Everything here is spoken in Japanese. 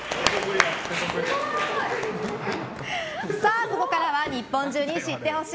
ここからは日本中に知ってほしい！